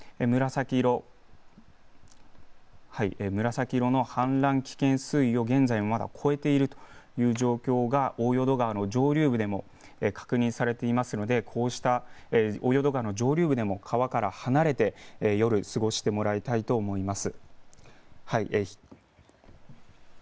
紫色の氾濫危険水位を超えている状況が大淀川の上流部でも確認されていますのでこうした大淀川の上流部でも川から離れて夜を過ごしてもらいたいと思います。